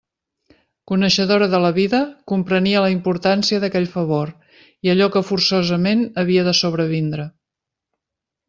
Coneixedora de la vida, comprenia la importància d'aquell favor i allò que forçosament havia de sobrevindre.